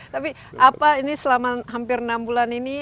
tapi apa ini selama hampir enam bulan ini